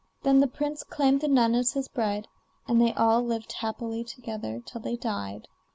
Then the prince claimed the nun as his bride, and they all lived happily together till they died.